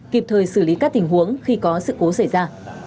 kịp thời xử lý các tình huống khi có sự cố xảy ra